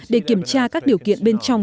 để kiểm tra các điều kiện bên trong